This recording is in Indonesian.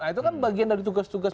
itu kan bagian dari tugas tugas